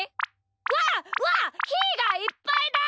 うわうわひーがいっぱいだ！